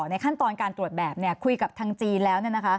ในขั้นตอนการตรวจแบบคุยกับทางจีนแล้ว